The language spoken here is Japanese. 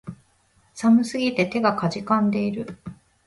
寒すぎて手足が悴んでいる